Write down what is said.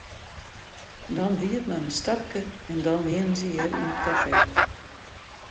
Dan wie it mar in stapke en dan wienen se hjir yn it kafee.